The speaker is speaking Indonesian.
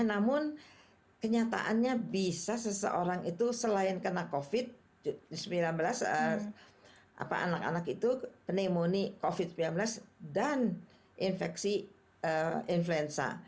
namun kenyataannya bisa seseorang itu selain kena covid sembilan belas anak anak itu pneumonia covid sembilan belas dan infeksi influenza